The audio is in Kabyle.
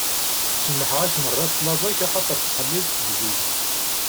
Semmḥeɣ-ak meṛṛa ṭṭlaba-k, axaṭer tettḥellileḍ deg-i.